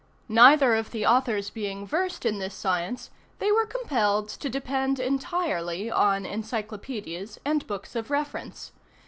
Neither of the authors being versed in this science, they were compelled to depend entirely on encyclopedias and books of reference.